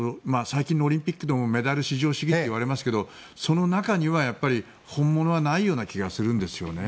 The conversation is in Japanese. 最近のオリンピックでもメダル至上主義と言われますがその中には本物はないような気がするんですよね。